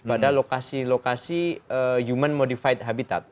pada lokasi lokasi human modified habitat